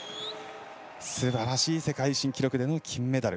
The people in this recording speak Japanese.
すばらしい世界新記録での金メダル。